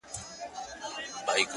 یوه ورځ به زه هم تا دلته راوړمه،